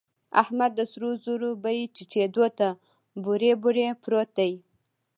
احمد د سرو زرو بيې ټيټېدو ته بوړۍ بوړۍ پروت دی.